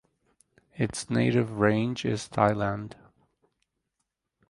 Its native range is Thailand.